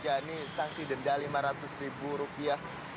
yakni sanksi denda lima ratus ribu rupiah